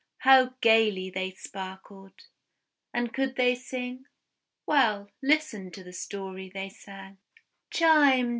How gaily they sparkled! And could they sing? "Well, listen to the story they sang: "Chime!